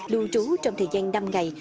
lưu trú trong thời gian năm ngày